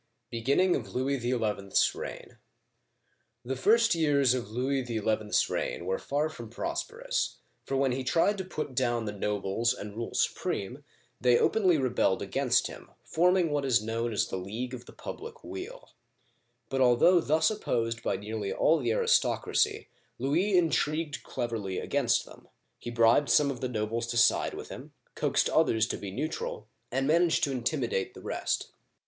BEGINNING OF LOUIS XL'S REIGN THE first years of Louis XI's reign were far from prosperous, for when he tried to put down the nobles and rule supreme, they openly rebelled against him, form uigiTizea Dy vjiOOQlC LOUIS XI. (1461 1483) 205 ing what is known as the League of the Public Weal. But although thus opposed by nearly all the aristocracy, Louis intrigued cleverly against them. He bribed some of the nobles to side with him, coaxed others to be neutral, and managed to intimidate the rest.